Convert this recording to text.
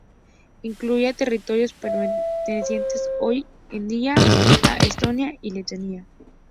Incluía territorios pertenecientes hoy en día a Estonia y Letonia.